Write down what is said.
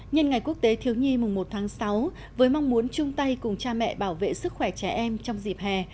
nhân ngày quốc tế thiếu nhi mùng một tháng sáu với mong muốn chung tay cùng cha mẹ bảo vệ sức khỏe trẻ em trong dịp hè